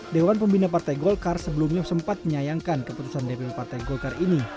dewan pembina partai golkar sebelumnya sempat menyayangkan keputusan dpp partai golkar ini